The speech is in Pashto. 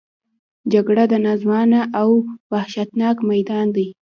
جګړه یو ناځوانه او وحشتناک میدان دی